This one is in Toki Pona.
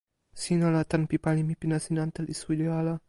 sina la tan pi pali mi pi nasin ante li suli ala.